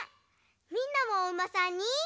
みんなもおうまさんに。